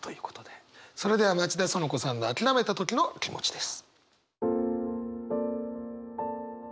それでは町田そのこさんの諦めた時の気持ちです。